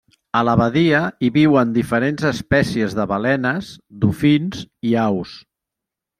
A la badia hi viuen diferents espècies de balenes, dofins i aus.